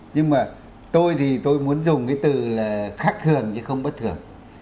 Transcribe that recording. nhưng mà tôi thì tôi muốn dùng cái từ là khắc thường chứ không bất thường